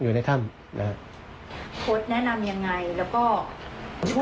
โค้ดแนะนำอย่างไรแล้วก็ช่วยกัน